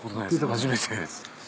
初めてです。